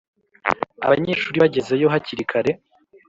abanyeshuri bagezeyo hakiri kare